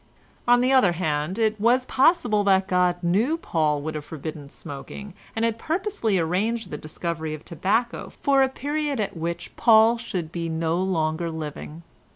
On the other hand, it was possible that God knew Paul would have forbidden smoking, and had purposely arranged the discovery of tobacco for a period at which Paul should be no longer living.